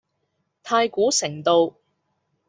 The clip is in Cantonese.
太古城道